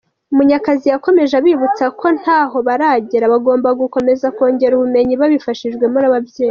Munyakazi yakomeje abibutsa ko ntaho baragera, bagomba gukomeza kongera ubumenyi babifashijwemo n’ababyeyi.